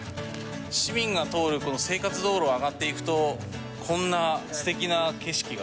市民が通る生活道路を上がっていくと、こんな、すてきな景色が。